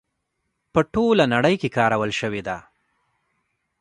په ټوله نړۍ کې کارول شوې ده.